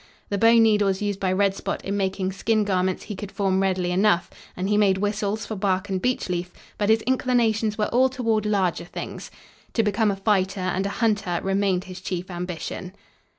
The bone needles used by Red Spot in making skin garments he could form readily enough and he made whistles for Bark and Beech Leaf, but his inclinations were all toward larger things. To become a fighter and a hunter remained his chief ambition.